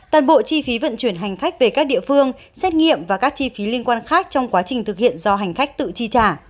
toàn bộ chi phí vận chuyển hành khách về các địa phương xét nghiệm và các chi phí liên quan khác trong quá trình thực hiện do hành khách tự chi trả